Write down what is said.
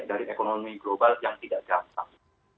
dari ekonomi global yang tidak terasa